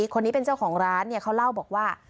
คนนี้เป็นเจ้าของร้านเนี่ยเขาเล่าบอกว่า